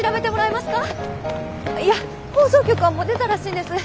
いや放送局はもう出たらしいんです。